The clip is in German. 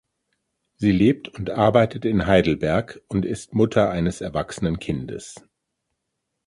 Sie lebt und arbeitet in Heidelberg und ist Mutter eines erwachsenen Kindes.